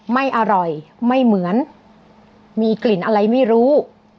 ไม่อร่อยไม่เหมือนมีกลิ่นอะไรไม่รู้